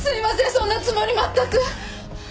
そんなつもり全く。